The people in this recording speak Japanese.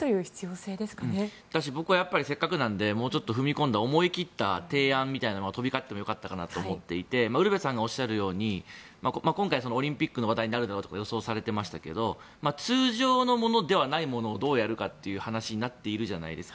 そうですし僕はせっかくなのでもう少し踏み込んだ思い切った提案みたいなのが飛び交ってもよかったと思っていてウルヴェさんがおっしゃるように今回、オリンピックの話題になるだろうと予想されていましたが通常のものではないものをどうやるかという話になっているじゃないですか。